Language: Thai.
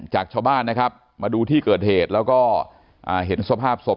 จากชาวบ้านนะครับมาดูที่เกิดเหตุแล้วก็เห็นสภาพศพ